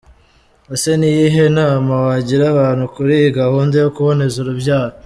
Ese ni iyihe nama wagira abantu kuri iyi gahunda yo kuboneza urubyaro?.